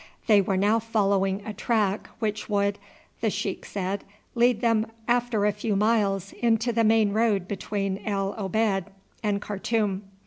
They were now following a track which would, the sheik said, lead them after a few miles into the main road between El Obeid and Khartoum.